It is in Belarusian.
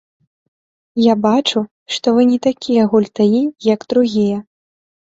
Я бачу, што вы не такія гультаі, як другія.